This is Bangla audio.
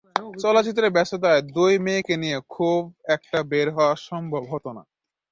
চলচ্চিত্রের ব্যস্ততায় দুই মেয়েকে নিয়ে খুব একটা বের হওয়া সম্ভব হতো না।